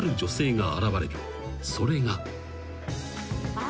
［それが］